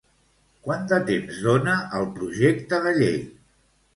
Quant de temps dona el projecte de llei?